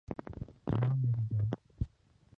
نہ مری جاں